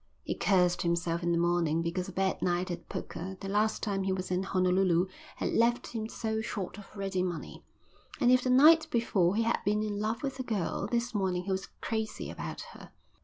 He cursed himself in the morning because a bad night at poker the last time he was at Honolulu had left him so short of ready money. And if the night before he had been in love with the girl, this morning he was crazy about her.